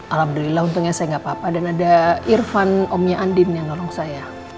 alhamdulillah untungnya saya gak apa apa dan ada irfan omnya andin yang nolong saya